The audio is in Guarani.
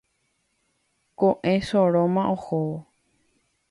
ko'ẽsoróma ohóvo